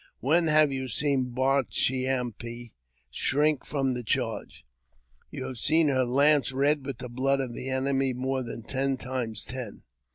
When have you seen Bar chee am pe shrink from the charge ? You have seen her lance red with the blood of the enemy more than ten times ten.